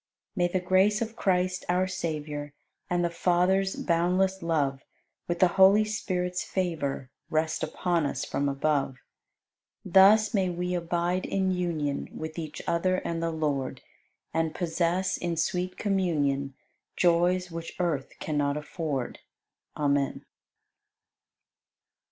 90. May the grace of Christ, our Savior, And the Father's boundless love, With the Holy Spirit's favor, Rest upon us from above. Thus may we abide in union With each other and the Lord And possess, in sweet communion, Joys which earth cannot afford. Amen.